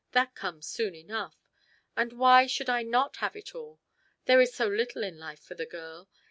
That comes soon enough. And why should I not have all! there is so little in life for the girl.